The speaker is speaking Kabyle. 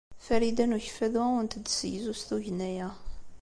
Farida n Ukeffadu ad awent-d-tessegzu s tugna-a.